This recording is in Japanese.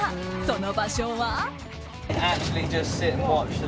その場所は。